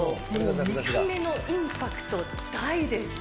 見た目のインパクト大です。